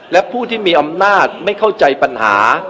และผู้ที่มีอำนาจไม่เข้าใจปัญหา